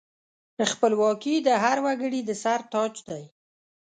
خپلواکي د هر وګړي د سر تاج دی.